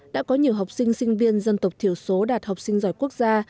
đã có nhiều học sinh sinh viên dân tộc thiểu số đạt học sinh giỏi quốc gia